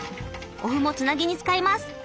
お麩もつなぎに使います。